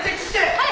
はい！